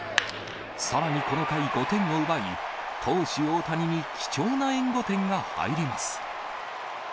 さらにこの回、５点を奪い、投手大谷に貴重な援護点が入ります。